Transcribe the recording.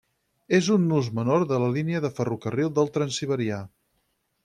És un nus menor de la línia de ferrocarril del Transsiberià.